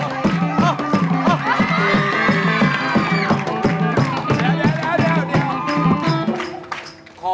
โอ้โฮ